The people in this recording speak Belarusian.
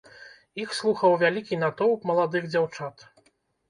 Іх слухаў вялікі натоўп маладых дзяўчат.